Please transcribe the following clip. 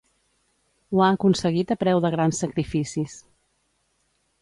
Ho ha aconseguit a preu de grans sacrificis.